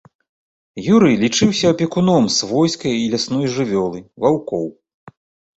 Юрый лічыўся апекуном свойскай і лясной жывёлы, ваўкоў.